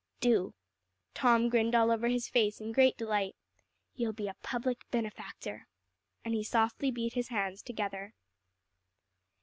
"Do." Tom grinned all over his face in great delight; "you'll be a public benefactor," and he softly beat his hands together.